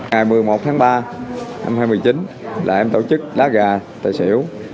ngày một mươi một tháng ba năm hai nghìn một mươi chín là em tổ chức đá gà tài xỉu